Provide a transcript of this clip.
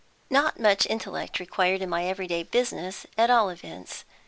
Not much intellect required in my every day business, at all events.